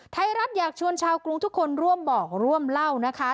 ไทยรัฐอยากชวนชาวกรุงทุกคนร่วมบอกร่วมเล่านะคะ